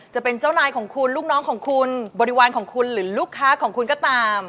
จะเป็นเจ้านายของคุณลูกน้องของคุณบริวารของคุณหรือลูกค้าของคุณก็ตาม